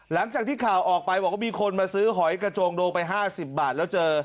หลังจากที่ข่าวออกไปบอกว่ามีคนมาซื้อหอยกระโจงโดงไป๕๐บาทแล้วเจอ